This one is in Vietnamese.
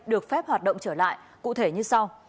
được phép hoạt động trở lại cụ thể như sau